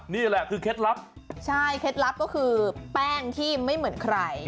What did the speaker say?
นี่แหละคือเคล็ดลับใช่เคล็ดลับก็คือแป้งที่ไม่เหมือนใคร